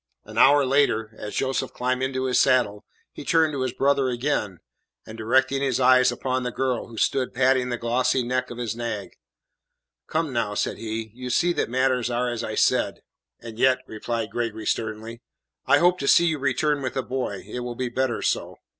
An hour later, as Joseph climbed into his saddle, he turned to his brother again, and directing his eyes upon the girl, who stood patting the glossy neck of his nag: "Come, now," said he, "you see that matters are as I said." "And yet," replied Gregory sternly, "I hope to see you return with the boy. It will be better so."